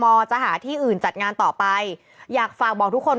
เป็นการกระตุ้นการไหลเวียนของเลือด